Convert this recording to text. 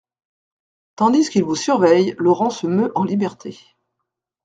Tandis qu'ils vous surveillent, Laurent se meut en liberté.